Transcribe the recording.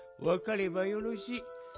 わかればよろしい。